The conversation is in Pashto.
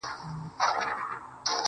چي ياد پاته وي، ياد د نازولي زمانې.